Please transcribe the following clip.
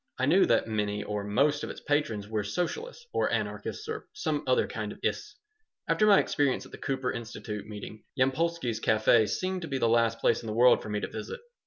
I knew that many or most of its patrons were Socialists or anarchists or some other kind of "ists." After my experience at the Cooper Institute meeting, Yampolsky's café seemed to be the last place in the world for me to visit.